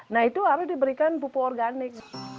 nah itu harus diberikan pupuk organik